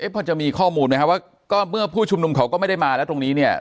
พอจะมีข้อมูลไหมครับว่าก็เมื่อผู้ชุมนุมเขาก็ไม่ได้มาแล้วตรงนี้เนี่ย